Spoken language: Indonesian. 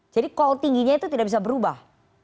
jadi call tingginya itu tidak bisa berubah